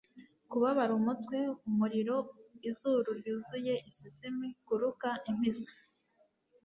kubabara umutwe, umuriro, izuru ryuzuye, isesemi, kuruka, impiswi.